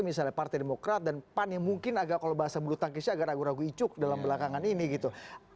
misalnya partai demokrat dan pan yang mungkin agak kalau bahasa bulu tangkisnya agak ragu ragu icuk dalam belakangan ini gitu